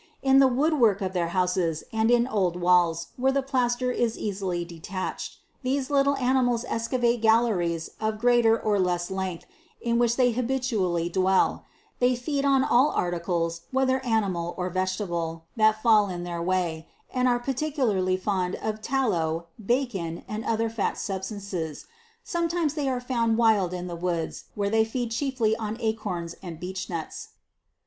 In the wood work of our houses, and in old walls where the plaster is easily detached, these little animals excavate galleries of greater or less length, in which they habitu ally dwell ; they feed on all articles whether animal or vegetable, that fall in their way, and are particularly fond of tallow, bacon, and other fat substances. Sometimes they are found wild in the woods, where they feed chiefly on acorns and beech nuts.